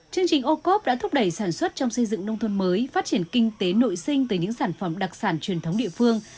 chương trình ô cốp đã thúc đẩy sản xuất trong xây dựng nông thôn mới phát triển kinh tế nội sinh từ những sản phẩm đặc sản truyền thống địa phương